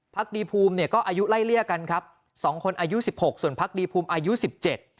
พักดีภูมิเนี่ยก็อายุไล่เลี่ยกันครับสองคนอายุสิบหกส่วนพักดีภูมิอายุสิบเจ็ด